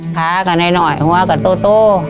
ขากับน้อยหัวกับตัว